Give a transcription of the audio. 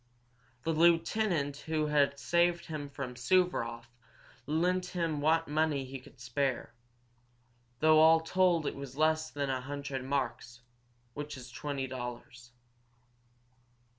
The lieutenant who had saved him from Suvaroff lent him what money he could spare, though all told it was less than a hundred marks, which is twenty dollars.